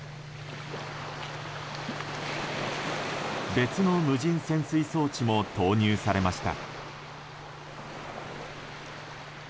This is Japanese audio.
別の無人潜水装置も投入されました。